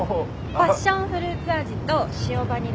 パッションフルーツ味と塩バニラ味。